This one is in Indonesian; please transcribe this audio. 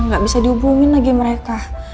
nggak bisa dihubungin lagi mereka